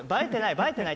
映えてない？